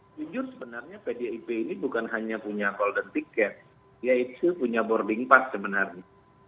sejujurnya sebenarnya pdip ini bukan hanya punya call dan tiket yaitu punya boarding pass sebenarnya